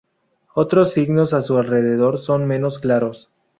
Otros signos a su alrededor son menos claros.